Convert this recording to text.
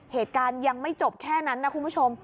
เหตุการณ์ยังไม่จบแค่นั้นนะคุณผู้ชม